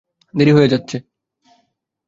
দেরি হয়ে যাচ্ছে।